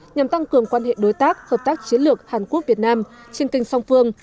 nhằm tăng cường quan hệ đối tác hợp tác chiến lược hàn quốc việt nam trên kênh song phương